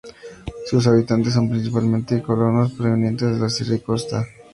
Sus habitantes son principalmente colonos provenientes de de la sierra y costa.